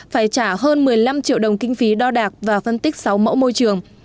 phải trả hơn một mươi năm triệu đồng kinh phí đo đạc và phân tích sáu mẫu môi trường